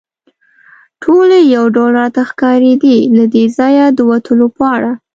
ټولې یو ډول راته ښکارېدې، له دې ځایه د وتلو په اړه.